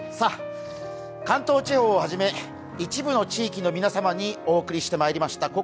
関東地方をはじめ一部の地域の皆様にお送りしてまいりました